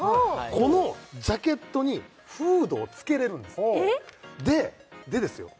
このジャケットにフードを付けれるんですででですよ